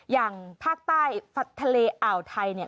อย่างภาคใต้ทะเลอ่าวไทย